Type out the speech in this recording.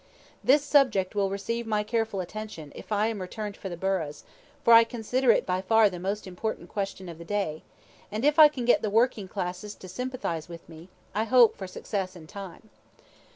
This subject will receive my careful attention, if I am returned for the burghs, for I consider it by far the most important question of the day, and if I can get the working classes to sympathize with me, I hope for success in time.